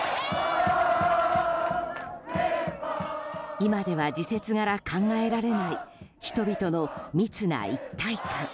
今では時節柄、考えられない人々の密な一体感。